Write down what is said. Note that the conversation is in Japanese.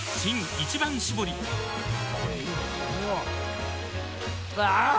「一番搾り」あぁー！